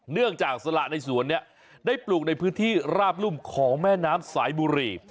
เนื่องจากสละในสวนนี้ได้ปลูกในพื้นที่ราบรุ่มของแม่น้ำสายบุรี